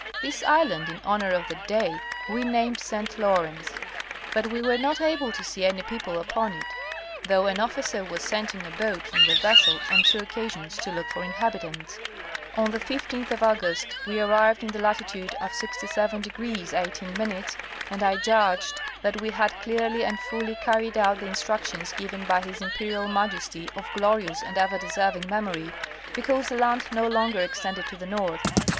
This island in honor of the day we named St. Lawrence, but we were not able to see any people upon it, though an officer was sent in a boat from the vessel on two occa sions to look for inhabitants. On the 15th of August we arrived in the latitude of 67° 18' and I judged that we had clearly and fully carried out the instructions given by his Imperial Majesty of glorious and ever deserving memory, because the land no longer extended to the north.